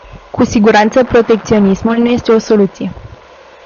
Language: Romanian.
Cu siguranță protecționismul nu este o soluție.